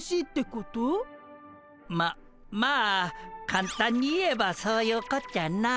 ままあかんたんに言えばそういうこっちゃな。